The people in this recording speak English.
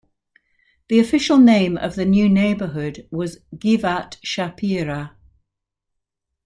The official name of the new neighborhood was "Giv'at Shapira".